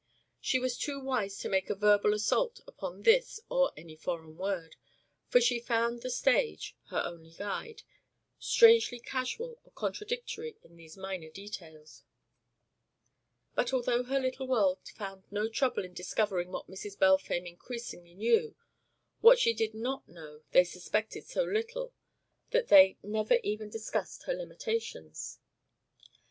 She was too wise to make a verbal assault upon this or any foreign word, for she found the stage, her only guide, strangely casual or contradictory in these minor details; but although her little world found no trouble in discovering what Mrs. Balfame increasingly knew, what she did not know they suspected so little that they never even discussed her limitations.